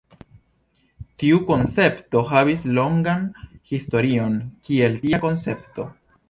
Tiu koncepto havis longan historion kiel tia koncepto.